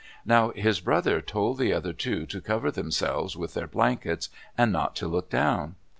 Now this brother told the other two to cover themselves with their blankets, and not to look down.